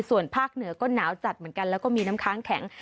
ส่วนภาคเหนือก็หนาวจัดเหมือนกันแล้วก็มีน้ำค้างแข็ง